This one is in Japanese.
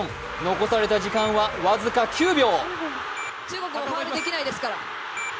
残れさた時間は僅か９秒。